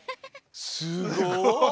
すごい！